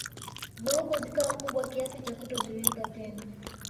Vurugu zikawa kubwa kiasi cha kutozuilika tena